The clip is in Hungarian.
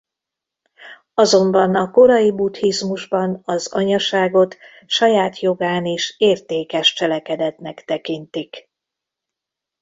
Azonban a korai buddhizmusban az anyaságot saját jogán is értékes cselekedetnek tekintik.